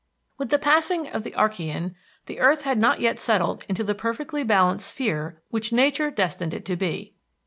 With the passing of the Archean, the earth had not yet settled into the perfectly balanced sphere which Nature destined it to be.